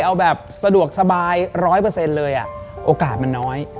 เอาแบบสะดวกสบายร้อยเปอร์เซ็นต์เลยอ่ะโอกาสมันน้อย